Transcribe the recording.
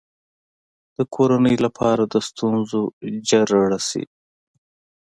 د کورنۍ لپاره د ستونزو جرړه شي.